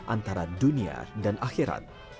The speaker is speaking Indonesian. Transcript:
antara dunia dan akhirat